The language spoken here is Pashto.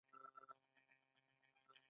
هغه د کوچنیو حیواناتو په ښکار ژوند کاوه.